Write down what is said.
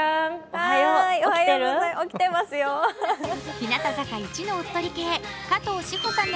日向坂一のおっとり系、加藤史帆さんの